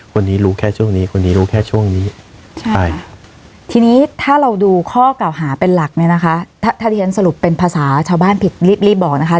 วันนี้รู้แค่ช่วงนี้คนนี้รู้แค่ช่วงนี้ใช่ทีนี้ถ้าเราดูข้อเก่าหาเป็นหลักเนี่ยนะคะถ้าที่ฉันสรุปเป็นภาษาชาวบ้านผิดรีบรีบบอกนะคะ